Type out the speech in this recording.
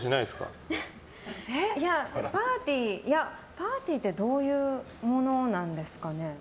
パーティーってどういうものなんですかね。